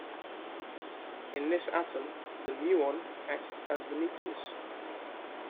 In this atom, the muon acts as the nucleus.